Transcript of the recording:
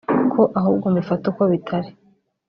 ko ahubwo mbifata uko bitari